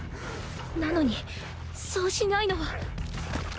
なのにそうしないのは。